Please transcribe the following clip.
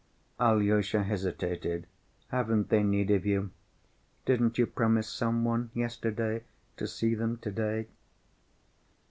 Alyosha hesitated. "Haven't they need of you? Didn't you promise some one yesterday to see them to‐day?"